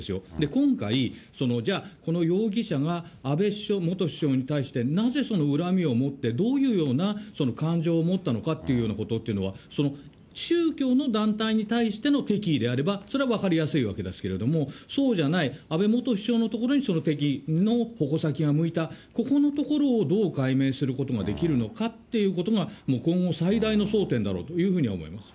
今回、じゃあ、この容疑者が安倍首相、元首相に対して、なぜその恨みを持って、どういうような感情を持ったのかっていうようなことは、宗教の団体に対しての敵意であれば、それは分かりやすいわけですけれども、そうじゃない、安倍元首相のところにその敵意の矛先が向いた、ここのところをどう解明することができるのかっていうことが、今後、最大の争点だろうというふうに思います。